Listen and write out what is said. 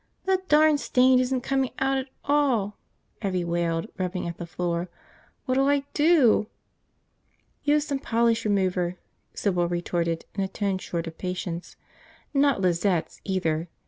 .. "The darn stain isn't coming out at all!" Evvie wailed, rubbing at the floor. "What'll I do?" "Use some polish remover," Sybil retorted in a tone short of patience. "Not Lizette's, either.